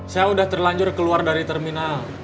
saya sudah terlanjur keluar dari terminal